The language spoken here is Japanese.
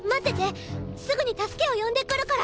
すぐに助けを呼んでくるから！